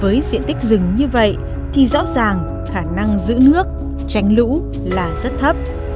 với diện tích rừng như vậy thì rõ ràng khả năng giữ nước tránh lũ là rất thấp